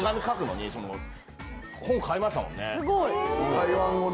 台湾語の？